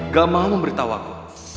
gak mau memberitahu aku